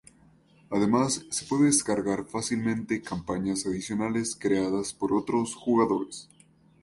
Además, se pueden descargar fácilmente campañas adicionales creadas por otros jugadores.